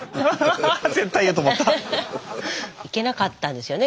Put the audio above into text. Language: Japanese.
行けなかったんですよね